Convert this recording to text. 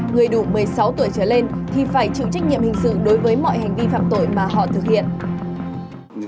người đủ một mươi sáu tuổi trở lên thì phải chịu trách nhiệm hình sự đối với mọi hành vi phạm tội mà họ thực hiện